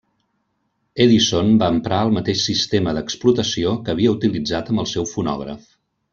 Edison va emprar el mateix sistema d'explotació que havia utilitzat amb el seu fonògraf.